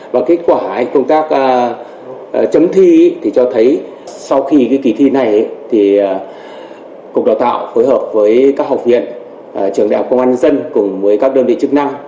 và kết quả công tác chấm thi thì cho thấy sau khi cái kỳ thi này thì cục đào tạo phối hợp với các học viện trường đạo công an dân cùng với các đơn vị chức năng